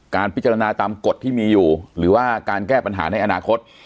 การพิจารณาตามกฎที่มีอยู่หรือว่าการแก้ปัญหาในอนาคต